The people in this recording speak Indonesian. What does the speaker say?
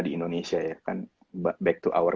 di indonesia ya kan back to our